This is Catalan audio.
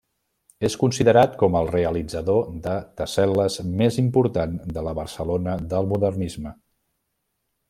És considerat com el realitzador de tessel·les més important de la Barcelona del modernisme.